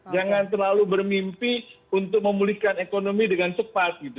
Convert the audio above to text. jangan terlalu bermimpi untuk memulihkan ekonomi dengan cepat gitu